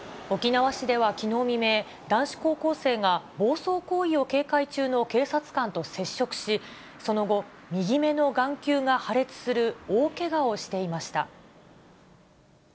沖縄市ではきのう未明、男子高校生が暴走行為を警戒中の警察官と接触し、その後、右目の眼球が破裂する大けがをしていました。